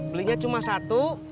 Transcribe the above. belinya cuma satu